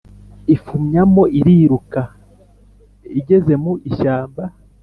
ifumyamo iriruka, igeze mu ishyamba